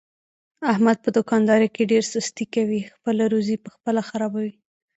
احمد په دوکاندارۍ کې ډېره سستي کوي، خپله روزي په خپله خرابوي.